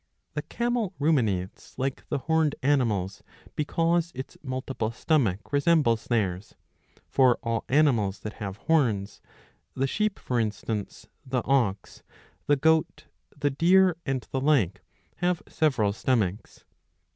^ The camel ruminates like the horned animals, because its multiple stomach resembles theirs. For all animals that have horns, the sheep for instance, the ox, the goat, the deer, and the like, have several stomachs.